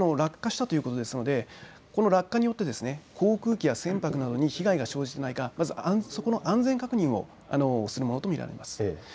落下したということですので落下によって航空機や船舶などに被害が生じていないか、そこの安全確認をするものと見られます。